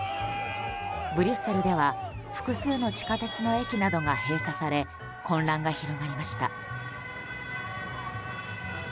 ブリュッセルでは複数の地下鉄の駅などが閉鎖され混乱が広がりました。